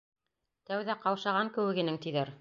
Тәүҙә ҡаушаған кеүек инең, тиҙәр.